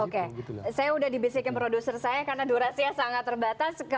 saya sudah dibesarkan produser saya karena durasinya sangat terbatas